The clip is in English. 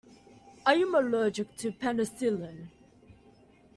I am allergic to penicillin.